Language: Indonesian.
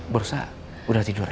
borosa udah tidur ya